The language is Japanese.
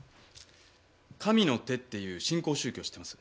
「神の手」っていう新興宗教知ってます？